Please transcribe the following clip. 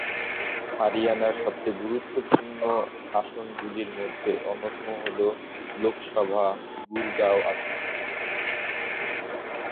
হরিয়ানার সবচেয়ে গুরুত্বপূর্ণ আসনগুলির মধ্যে অন্যতম হল লোকসভা গুরগাঁও আসনটি।